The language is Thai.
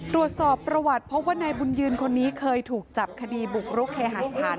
ตรวจสอบประวัติพบว่านายบุญยืนคนนี้เคยถูกจับคดีบุกรุกเคหาสถาน